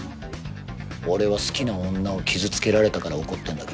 俺は好きな女を傷つけられたから怒ってんだけど？